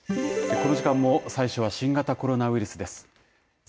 この時間も最初は新型コロナウイルスです。